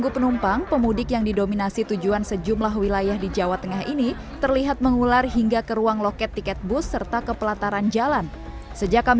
pemudik yang ditemukan di jawa tengah tersebut menerima pelayanan ke terminal bus kalideres jakarta barat